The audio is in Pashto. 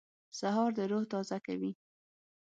سهار د روح تازه کوي.